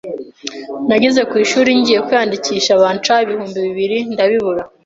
Nageze ku ishuri ngiye kwiyandikisha banca ibihumbi bibiri ndabibura